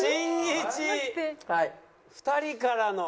２人からの。